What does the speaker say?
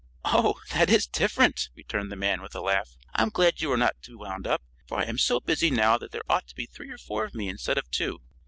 "Oh, that is different," returned the man, with a laugh. "I'm glad you are not to be wound up, for I am so busy now that there ought to be three or four of me instead of two."